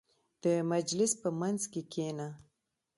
• د مجلس په منځ کې کښېنه.